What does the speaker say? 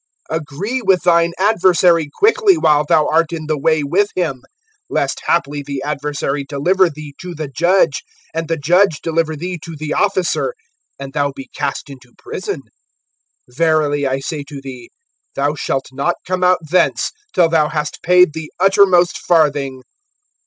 (25)Agree with thine adversary quickly, while thou art in the way with him; lest haply the adversary deliver thee to the judge, and the judge deliver thee to the officer, and thou be cast into prison. (26)Verily I say to thee, thou shalt not come out thence, till thou hast paid the uttermost farthing.